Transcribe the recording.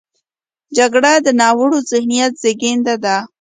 جګړه د ناوړه ذهنیت زیږنده ده